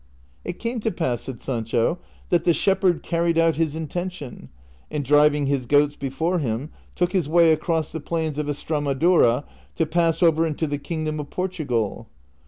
" It came to pass," said Sancho, " that the .shepherd carried out his intention, and driving his goats before him took his way across the plains of Estremadura to pass over into the Kingdom of Portugal.